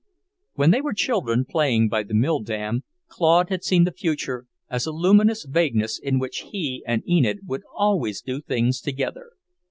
When they were children, playing by the mill dam, Claude had seen the future as a luminous vagueness in which he and Enid would always do things together.